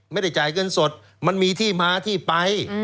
ไม่ได้จ่ายเงินสดมันมีที่มาที่ไป